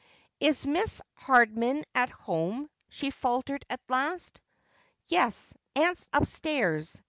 ' Is Mrs. J lai'dman at home I,' she faltered at last. ' Yes, aunt's upstairs.